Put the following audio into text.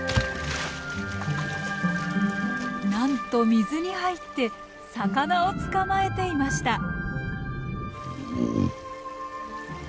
なんと水に入って魚を捕まえていました。